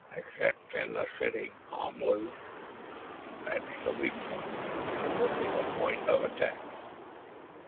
"Except in the city. Omlu. That's the weak point and would be the point of attack."